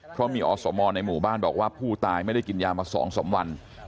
เพราะมีอสมในหมู่บ้านบอกว่าผู้ตายไม่ได้กินยามา๒๓วัน